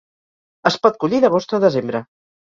Es pot collir d'agost a desembre.